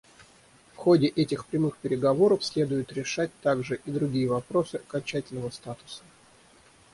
В ходе этих прямых переговоров следует решать также и другие вопросы окончательного статуса.